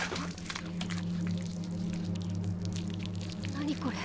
何これ？